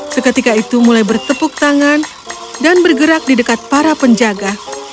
seketika itu mulai bertepuk tangan dan bergerak di dekat para penjaga